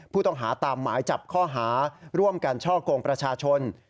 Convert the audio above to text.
ผู้ต้องหาตามหมายจับข้อหาร่วมกันช่อกงประชาชน